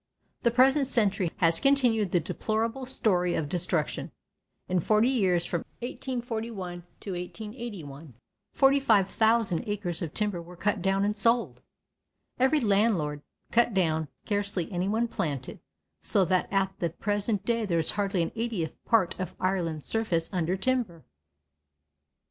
The present century has continued the deplorable story of destruction. In forty years, from 1841 to 1881, 45,000 acres of timber were cut down and sold. Every landlord cut down, scarcely anyone planted, so that at the present day there is hardly an eightieth part of Ireland's surface under timber.